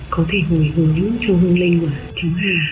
có thể hồi hướng cho hương linh của cháu hà